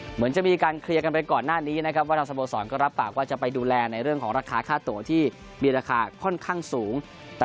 เหมือนจะมีการเคลียร์กันไปก่อนหน้านี้นะครับว่าทางสโมสรก็รับปากว่าจะไปดูแลในเรื่องของราคาค่าตัวที่มีราคาค่อนข้างสูง